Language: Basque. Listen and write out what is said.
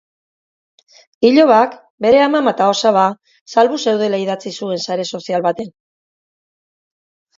Ilobak bere amama eta osaba salbu zeudela idatzi zuen sare sozial batean.